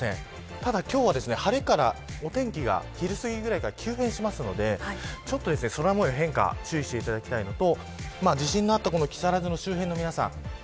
ただ今日は、晴れからお天気が昼すぎに急変しますので空模様の変化に注意していただきたいのと地震があった木更津の周辺の皆さん